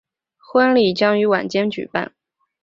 婚礼将于晚间举办。